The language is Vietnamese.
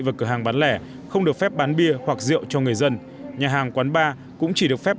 và cửa hàng bán lẻ không được phép bán bia hoặc rượu cho người dân nhà hàng quán bar cũng chỉ được phép